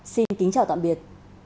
xin kính chào tạm biệt